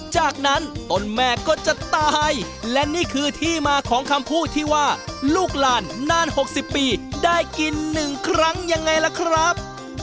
จากนั้นต้นแม่ก็จะตายและนี่คือที่มาของคำพูดที่ว่าลูกหลานนาน๖๐ปีได้กิน๑ครั้งยังไงล่ะครับ